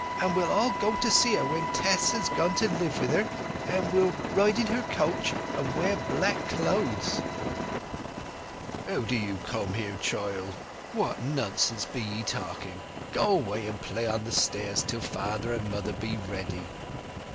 "And we'll all go and see her when Tess has gone to live with her; and we'll ride in her coach and wear black clothes!" "How do you come here, child? What nonsense be ye talking! Go away, and play on the stairs till father and mother be ready!...